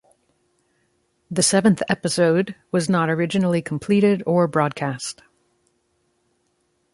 The seventh episode was not originally completed or broadcast.